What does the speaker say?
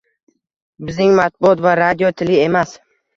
Bizning matbuot va radio tili emas.